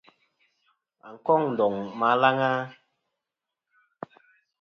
Wà n-kôŋ ndòŋ ma alaŋ a?